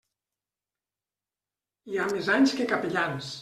Hi ha més anys que capellans.